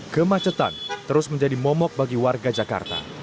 kemacetan terus menjadi momok bagi warga jakarta